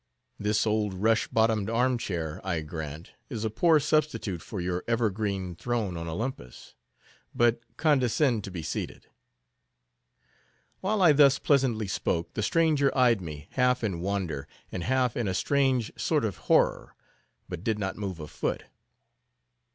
This old rush bottomed arm chair, I grant, is a poor substitute for your evergreen throne on Olympus; but, condescend to be seated." While I thus pleasantly spoke, the stranger eyed me, half in wonder, and half in a strange sort of horror; but did not move a foot.